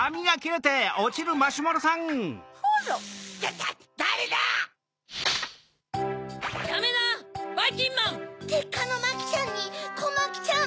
てっかのマキちゃんにコマキちゃん！